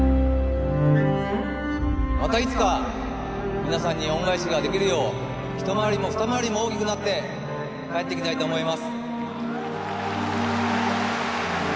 またいつか皆さんに恩返しができるよう一回りも二回りも大きくなって帰ってきたいと思います。